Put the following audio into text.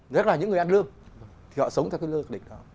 rất là những người ăn lương thì họ sống theo cái lương lịch đó